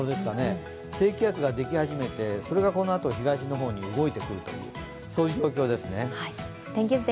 低気圧ができ始めて、それがこのあと東の方に動いてくるという状況ですね。